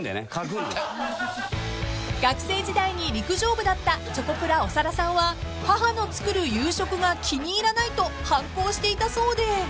［学生時代に陸上部だったチョコプラ長田さんは母の作る夕食が気に入らないと反抗していたそうで］